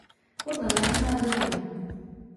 Podle mého názoru ne.